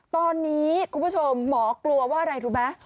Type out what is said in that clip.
ตอนนี้คุณผู้ชมหมอกลัวว่าอะไรรู้ไหม